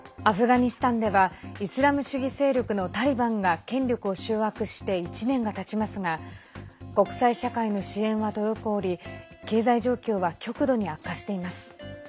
アフガニスタンではイスラム主義勢力のタリバンが権力を掌握して１年がたちますが国際社会の支援は滞り経済状況は極度に悪化しています。